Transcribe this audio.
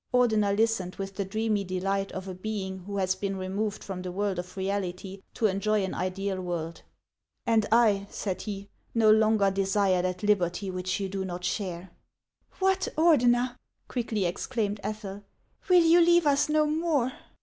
Ordener listened with the dreamy delight of a being who has been removed from the world of reality to enjoy an ideal world. " And I," said he, " no longer desire that liberty which you do not share !"" What, Ordener !" quickly exclaimed Ethel, " will you leave us no more